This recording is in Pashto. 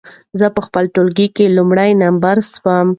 زه په خپل ټولګي کې لومړی نمره سوم.